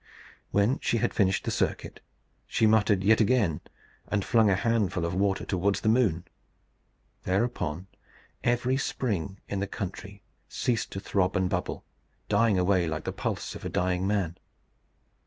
When she had finished the circuit she muttered yet again, and flung a handful of water towards the moon. Thereupon every spring in the country ceased to throb and bubble, dying away like the pulse of a dying man.